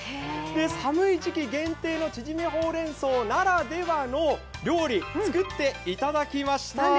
寒い時期限定のちぢみほうれん草ならではの料理を作っていただきました。